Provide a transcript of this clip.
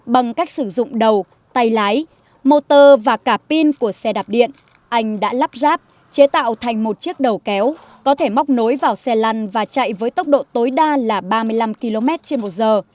bằng cách sử dụng đầu tay lái motor và cả pin của xe đạp điện anh đã lắp ráp chế tạo thành một chiếc đầu kéo có thể móc nối vào xe lăn và chạy với tốc độ tối đa là ba mươi năm km trên một giờ